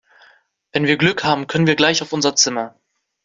Wenn wir Glück haben, können wir gleich auf unsere Zimmer.